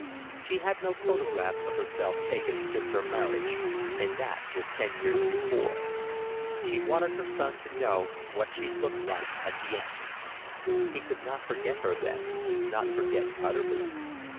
She had no photographs of herself taken since her marriage, and that was ten years before. She wanted her son to know what she looked like at the end. He could not forget her then, not forget utterly.